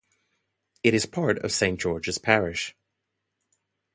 It is part of Saint George's Parish.